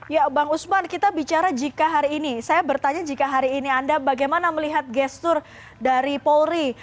ya bang usman kita bicara jika hari ini saya bertanya jika hari ini anda bagaimana melihat gestur dari polri